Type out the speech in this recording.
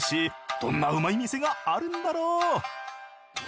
どんなうまい店があるんだろう！